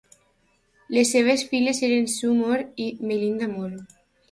Les seves filles eren Sue Moore i Melinda Moore.